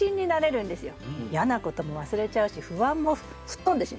嫌なことも忘れちゃうし不安も吹っ飛んでしまう。